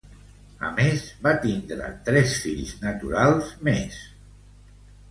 A més, va tindre tres fills naturals més.